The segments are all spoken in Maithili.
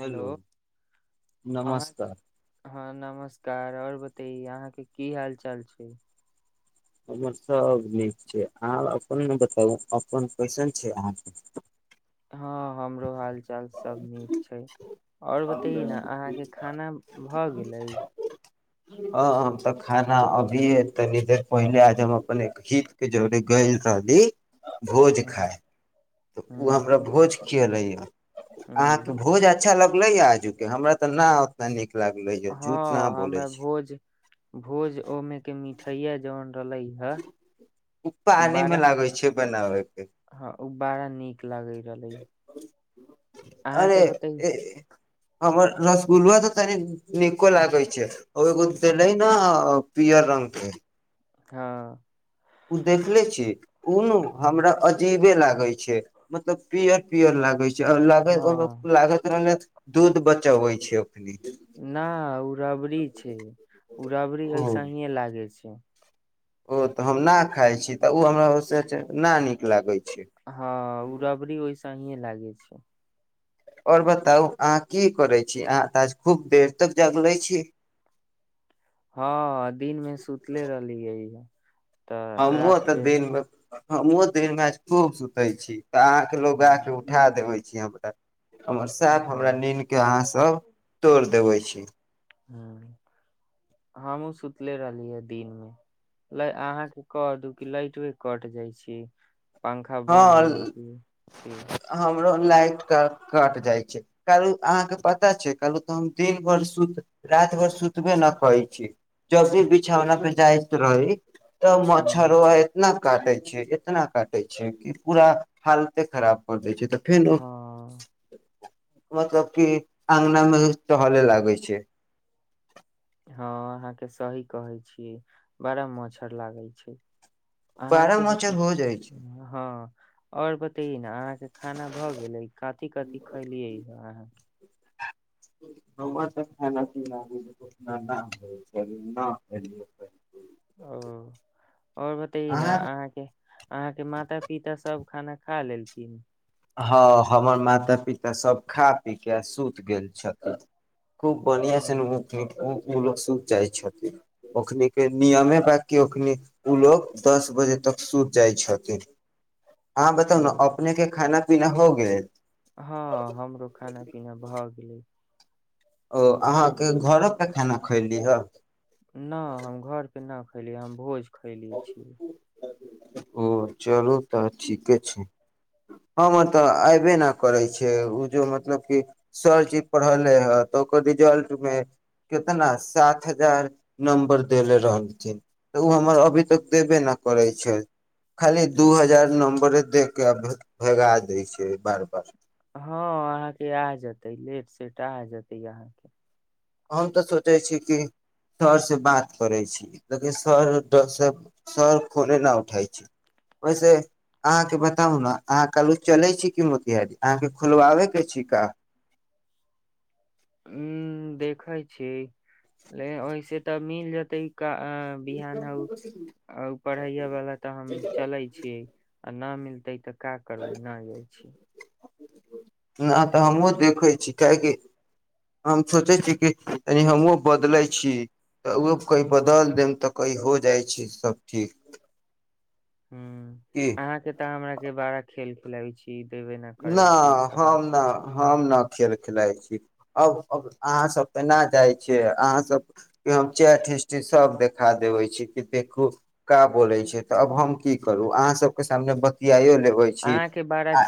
हेलो अहाँके नमस्कार हँ नमस्कार आओर बतैयौ अहाँके की हाल चाल छै हमर सब निक छै अहाँ अपन ना बताबु कैसन छीये अहा सब हँ हमरो हाल चल सब नीक छै और बतैयौ न अहाँ के खाना भ गेले ह तऽ खाना अभीए तनी देर पहिले आज हम अपन हित के जोड़े गइल रहली भोज खाय हँ तऽ ओ हँ हमरा भोज [unintelligible] अहाँ त हँ भो जात अच्छा लगलै ह आजू के हमरा त ना उतना निक लागलै ह झूठ न हँ बोलै हमरा छै भोज भोज ओहिमे के मिठाइया जन [unintelligible] बनाबै हँ ओ बड़ा नीक लागै अरे अहाँके बताय ए हमर रसगुल्लाा तऽ तनि नीको लागै छै ओ एगो देले ने पियर रंग के हँ ओ देखले छी ओ नू हमरा अजीबे लागे छै मतलब पियर पियर लागे छै लगाय ओ हँ मे लागैत रहलय दूध बचबै छै अखनी न ओ रबड़ी छै ओ रबड़ी ओ ऐसहीेए लागे छै ओ तऽ हम न खााय छी तऽ ओ हमरा ओ न नीक लागैत हँ ओ रबरी ओयस हीे लागय छै [inaudible] आओर बताउ अहाँ की करै छी अहाँ ताज खूब देर तक जागलै छी हँ दिनमे सुतले रहली है इह हम व तऽ दिनमे हम दिनमे खूब सुतै छी तऽ अहा के लोग हँ के उठा देबे धिया पुता के हमर साफ हमरा नीन के अहाँ सब तोड़ दे देबै छी ह हमहुँ सुतले रहली ह दिन मे ल अहाँके कह दू कि लाइटे कट जाइ छी पंखा बन्द हो हँ जाइ ठीक हमरो लाइट क कट जाइ छै। कहल अहाँके पता छै। कहलू तऽ हम दिन भर सुत राति भर सुतबे नहि करै छी। जब भी बिछौना पर जाइत रही, तऽ हँ मचछरोाय ने, काटे छै इतना काटे छै। पूरा हालते खराब कर दै छै। तऽ फेर हँ मतलब की अगना मेी टहले लागै छै। ह अहाँ के सही कहे छीियै बड़ा मच्छर लागे छै। बारह अहाँके बते मच्छर हो जाइ छै हँ आओर बतना खाना भऽ गेलै कथी कथी खैलियै अहाँके। हम त ख पी लाग हो छै। ओ आओर बतै ने अहाँ अहाँके अहाँके माता पिता सब, खाना खा लेल ती। हँ हमर माता पिता सब खा पी क सुति गेल छथिन। खूब बढ़ियाआँ ने ब, ओ ओ लोग सूत जाइ छथिन ओखने नियमे बि ओखनी ओ लोग दस बजे तक सूत जाइ छथिन। हँ बताउ ने अपने के खाना, ना हो गेल हँ हमरो खाना पीना भऽ गेलै। ओ अहाँके घरो पर खाना खयली ह। नहि हम घर। केना खलियै हम भोज खैले छियै ओ चलू तऽ ठीके छै। हमर तऽ अयबे नहि करै छै। ओ जेो मतलब कि सरजी पढ़लै हे। तऽ ओकर रिजल्टमे कितना सात हजार नम्बर देले रहलथिन तऽ ओ हमर अभी तक देबे नहि करैत छै। खाली दू हजार नम्बरे दे क भगा दै छै बार बार। हँ अहाँके आ जेतै लेट सेट आ जेतै अहाँके। हम तऽ सोचै छी। कि सरसँ बात करै छी। लेकिन सरसँ सर खोले नहि उठै छी ओहिसे अहाँके बताउ ने अहाँ कहलू चलै छी। कि मोतिहारारी अहाँके खोलवाबैके छी का। ह देखे छी ओऐसे तऽ मिल जेतै क। बिहान ह पढ़ै वालला तऽ हम चले छी। न िलतै तऽ [unintelligible] का करबै नहि जाय छी। नहि तऽ हमहूँ देखै छी। काहेकि हम सोचै छीिय कि य हमहूँ बदलै छी। तऽ ओहो कह बदलि देब तऽ कहइ हो जाइ छै सभ ठीक। ह की अहाँके तऽ हमरा बारा खेल प लइ छै। ईी देबे नहि करै ना छी कर। हम ना हम ने खेल खेलााय छी। अब अहा सब तऽना जाइ छी। अहाँ सब के हम चैट सब देखा देबे छी। कि देखू का बोले छै। त अब हम की करु अहाँ सब के सामने बतियाो। होइ छी आ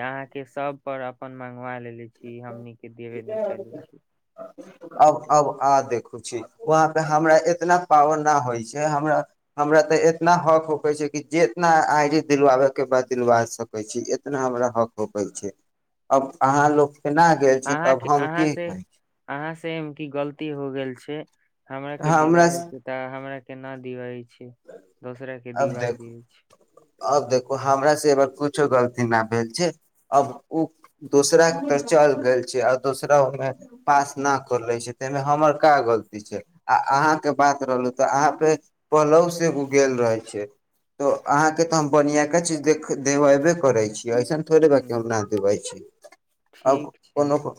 आहाँ के सब पर [unintelligible] पाइ लेने छी हमनी के देबे ले कहय छी अब अब आ देखू छी वहाँ पे हमरा इतना पावना होइ छै हमरा हमरा त एतना हक होक छै कि जितना आई डी दिलवाबे के बाद दिलवा सकै छी इतना हमरा हक होक छै अब अहाँ लोक केना गेल छी तब हम की कहै छी सेम की गलती हो गेल छै हमरा के दिवाह छै त हमरा केना दिवइ अब देखू छै अब देखू हमरा से कुछो गलती न भेल छै अब ओ दोसरा के तर चल गेल छै आ दोसरा ओमे पास न कर ले छै ताहिमे हमर क गलती छै आ अहा के बात रहलो त अहाँ पे पहलहू गो गेल रहै छी त अहां के त हम बनियाका के चीज देख देबैबे करे छी अइसन थोर ब क हम ह नत बै छी आ ठीक छै कोनो को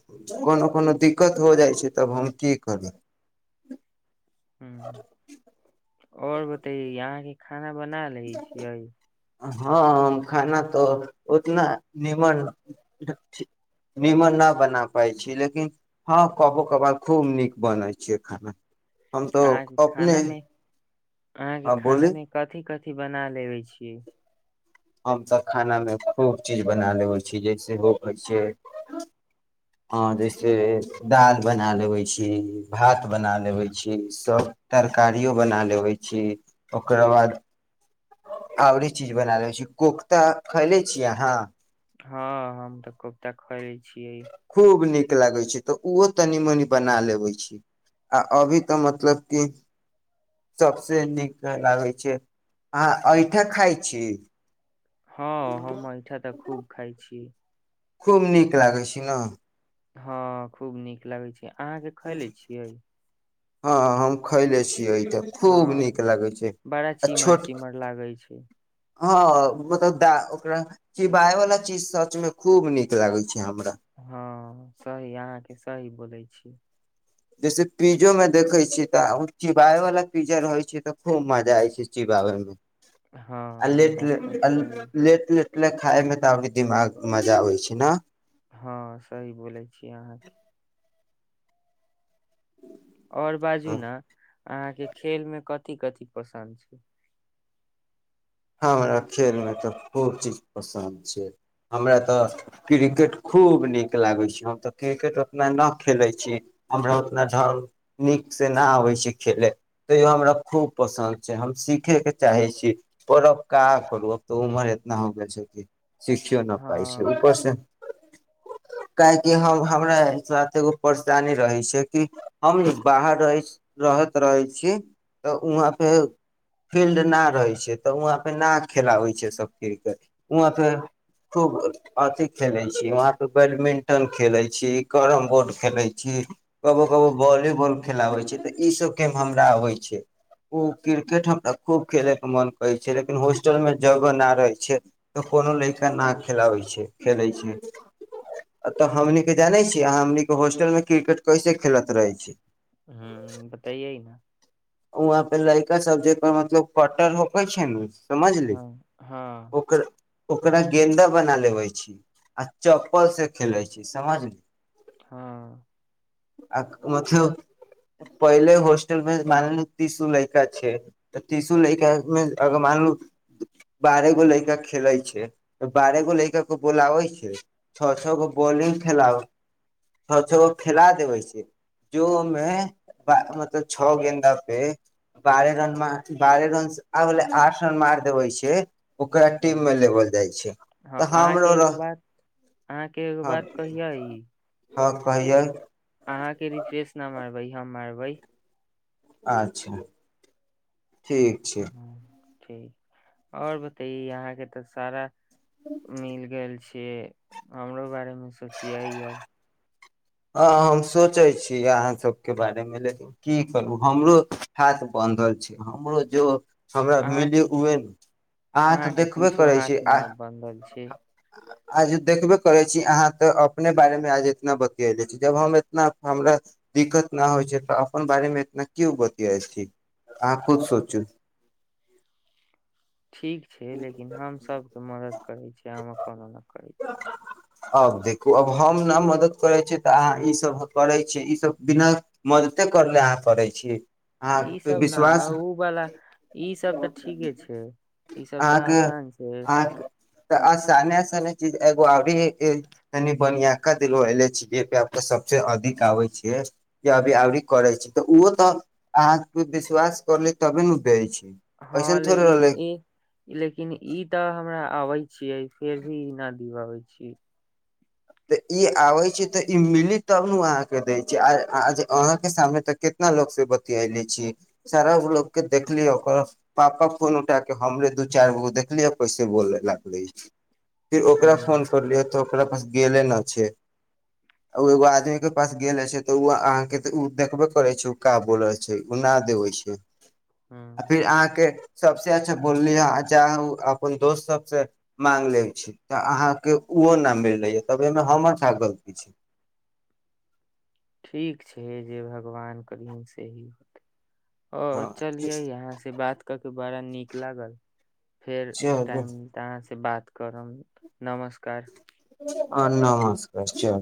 कोनो कोनो दिक्कत हो जाइ छै तब हम की करू ह्म और बताइए यहाँ [unintelligible] खाना बना लै छियै हँ हम खाना त उतना नीमन थी नीमन नहि बना पाइ छी लेकिन हँ कबो कबार खूब नीक बनै छैै खाना हम तऽ अहाँके अपने खाना मे अहाँके बोली खाना मे कथि कथि अी बना लेबे छियै हमसब खानामे खूब चीज बना लेबै छी जैसे हो कहै छै हँ जैसे दालि बना लेबै छी भात बना लेबै छी सभ तरकारियओ बना लेबै छी ओकरा बाद आउरी चीज बना ले छी कोफ्ता खैले छी अहाँ ह हम त कोफ्ता ख खूब नी नीक लागै छै त उहो तनी मनी बना लेबै छी आ अभी त मतलब कि सबसे नीक लागै छै अहाँ एइठा खाइ छी ह हम एइठा त खूब खाइ छी खूब नीक लागै छी न हँ खूब नीक लागै छी हँ हम खयले छियै त खूब नीक हँ लागै छै बड़ा आ चिमर छोट चिमर लागे छै ह मतलब द ओकरा चिबाय वाला चीज सच में खूब निक लागे छै हमरा हँ सही अहाँ के सही बोलै छी जैसे पिजो में देखै छियै त चिबाबे वालला पिजा रहै छ त खूब मजा आइ छै चिबाबै मे हँ आ ई लेट बात ले तऽ आल सही लेट ले ले खायमे त अबे दिमाग मजा आबै छै न हँ सही बोलै छी अहाँके ओर बाजू ने अहाँ के खेल में कथि कथि पसन्द छै हमरा खेलमे तऽ खूब चीज पसन्द छै हमरा तऽ क्रिकेट खूब नीक लागै छै हम तऽ क्रिकेट उतना नहि खेलै छी हमरा उतना ढङ्ग नीकसँ नहि आबै छै खेलय तैयो हमरा खूब पसन्द छै हम सीखयके चाहै छी पब काह करूब तऽ उमर एतना हो गेल छै कि सिखियो नहि पाइ छै हँ उपर से काहेकि हम हमरा साथ एगो परेशानी रहै छै कि हम बाहर रह रहैत रहै छी तऽ वहाँ पे फिल्ड नहि रहै छै तऽ वहाँपर ना खेलाबै छै सब क्रिकेट वहाँपे खूब अथी खेलै छी वहाँपर बैडमिंटन खेलै छी कैरम बोर्ड खेलै छी कबो कबो वॉलीबॉल खेलाबैत छी तऽ ईसब गेम हमरा आबइ छै ओ क्रिकेट हमरा खूब खेलैके मोन कहै छै लेकिन हॉस्टल मे जगह नहि रहै छै तऽ कोनो लड़का नहि खेलाबै छै खेलै छै तऽ हमनी के जानै छियै हमनी हॉस्टल मे क्रिकेट कैसे खेलैत रहै छै हुँ बताइए हुंआ पर लइका सब्जे पर मतलब पटन रोकै छै ने समझली हँ हँ ओकर ओकरा गेन्दा बना लेबै छी आ चप्पल से खेलैत छी समझली हँ आ मतलब पहिले होस्टल मे मान तीसो लड़का छै त तीसो लैका मे अगर मानलू बारह गो लैका खेले छै त बारह गो लैका के बोलाबे छै छ छ गो बॉलिंग फला छओ छ गो खेला देबे छै जो मे मतलब छओ गेन्द तबे बारह रन बारह रन आब गेले आठ रन मार देबै छै ओकरा टीममे लेबल जाइ छै हँ तऽ हमरो अहाँके एगो रह बात अहाँके एगो हँ बात कहियै हँ कहियै अहाँके रिफ्रेश नाम आब इ हम मारबै आच्छा ठीक छै हँ। आओर बताइए यहाँके तऽ सारा मिल गेल छी ये हमरो बारेमे सोचियै यब हँ हम सोचै छी अहाँसभके बारेमे लेकिन की करू हमरो हाथ बानधल छै हमरो जो हमरा मिली अहाँके उए अहाँ तऽ अहाँके देखबे कुछो करै हाथ छी आ न बन्धल छै आज देखबे करै छी अहाँ तऽ अपने बारे मे आज इतना बता गेल छी जब हम इतना हमरा दिक्कत नहि होइ छै तऽ अपन बारेमे इतना क्यो बतियाइ छी अहाँ खुद सोचू ठीक छै लेकिन हमसभके मदद करैत छी हम कोनो नहि करैत छी अब देखू अब हम नहि मदद करै छीयै तऽ अहाँ ईसभ करै छीयै ईसभ बिना मदते कर ले अहाँ करै छी अहाँ इ पे सब ना विश्वास उ वाला इ सब तऽ ठीके छै ईसभ अहांके अहां तऽ आसाने एसे चीज एगो आबहे तनी बनियाक द एले छै सबस अधिक आबे छ जे अभी आरी करे छी त उ तऽ अह विश्वास करले तबे ने दे छै हँ ऐसन थोड़े लेकिन रहलै ई लेकिन ई तऽ हमरा अबइ छिय फेर भी न पीवाबै छी तऽ ई आबै छै तऽ ई मिली तब ने ओ अहाँके दै छै आ अहाँके सामने तऽ कितना लोको से बतियले छी सारा लोकके देखलिय ओकर पापा फोन उठ के हमरे दू चारि गो देखलियै पैसे बोले लागले फिर ओकरा फोन हूँ करलिय त ओकरा पास गेले नहि छै ओ एगो आदमीके पास गेले छै तऽ ओ अहाँके तऽ ओ देखबे करै छै ओ का बोलल छै ओ नहि देबै छै आ हूँ फिर अहाँके सबसे अच्छा बोलली है च अपन दोस्त सब से मांग ले छी तऽ अहाँ के ओहो नाम मिलले य तब एहिमे हमर क गलती छै ठीक छै जे भगवान करियन सेही आओर हँ चलिये यहाँ से बात क के बड़ा नीक लागल फेर चलू टाइम मिलत अहाँ से बात करम नमस्कार ह नमस्कार चल